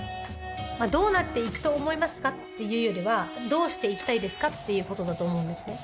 まあどうなっていくと思いますかっていうよりはどうしていきたいですかっていうことだと思うんですね